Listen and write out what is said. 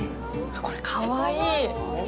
これ、かわいい。